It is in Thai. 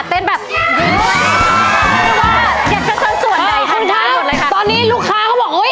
เต้นแบบอยากจะเชิญส่วนใดทางด้านหมดเลยค่ะตอนนี้ลูกค้าก็บอกเอ้ย